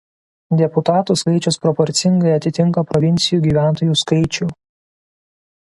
Deputatų skaičius proporcingai atitinka provincijų gyventojų skaičių.